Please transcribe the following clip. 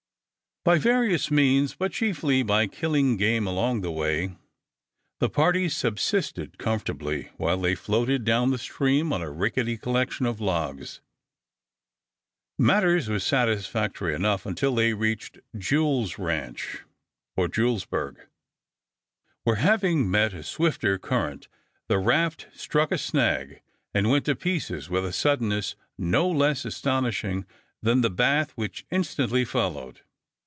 By various means, but chiefly by killing game along the way, the party subsisted comfortably while they floated down the stream on a rickety collection of logs. Matters were satisfactory enough until they reached Jule's ranch, or Julesburg, where having met a swifter current the raft struck a snag and went to pieces with a suddenness no less astonishing than the bath which instantly followed.